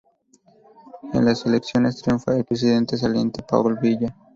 En las elecciones triunfa el presidente saliente Paul Biya.